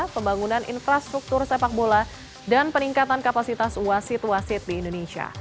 pembangunan infrastruktur sepak bola dan peningkatan kapasitas wasit wasit di indonesia